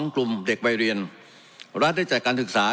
กลุ่มเด็กวัยเรียนรัฐได้จัดการศึกษา